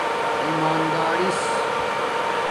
ایمادارس